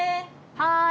はい！